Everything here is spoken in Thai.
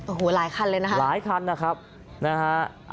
โอ้โหหลายคันเลยนะฮะหลายคันนะครับนะฮะ